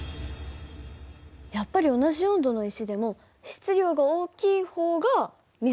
やっぱり同じ温度の石でも質量が大きい方が水の温度を上げるんだね。